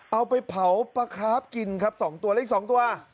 เอาไปเผาปลาคาร์ฟกินครับ๒ตัวแล้วอีก๒ตัว